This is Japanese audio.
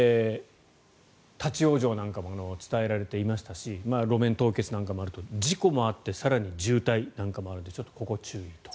立ち往生なんかも伝えられていましたし路面凍結なんかもあると事故もあって更に渋滞なんかもあるのでちょっとここは注意と。